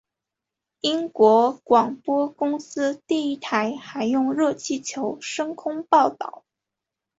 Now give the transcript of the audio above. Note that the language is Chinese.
英国广播公司第一台还用热气球升空报导。